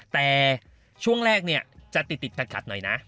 แต่ช่วงแรกเนี่ยจะติดขัดหน่อยนะ